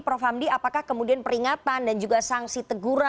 prof hamdi apakah kemudian peringatan dan juga sangsi teguh